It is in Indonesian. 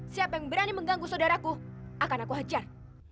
siapa yang berani mengganggu saudaraku akan aku hajar